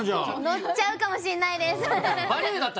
乗っちゃうかもしんないです。